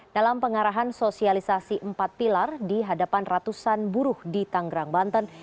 dalam pengarahan sosialisasi empat pilar di hadapan ratusan buruh di tanggerang banten